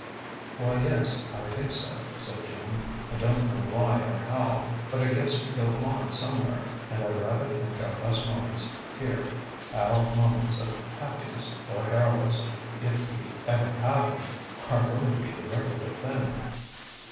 "Why, yes, I think so," said Jim. "I don't know why or how, but I guess we go on somewhere; and I rather think our best moments here our moments of happiness or heroism, if we ever have any are going to be the regular thing."